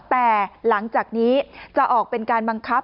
แต่หลังจากนี้จะออกเป็นการบังคับ